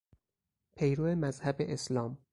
پیرو مذهب اسلام